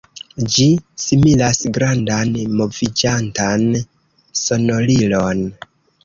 Ĝi similas grandan moviĝantan sonorilon.